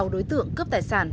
sáu đối tượng cướp tài sản